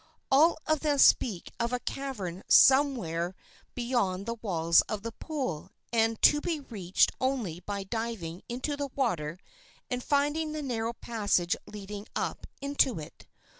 All of them speak of a cavern somewhere beyond the walls of the pool, and to be reached only by diving into the water and finding the narrow passage leading up into it.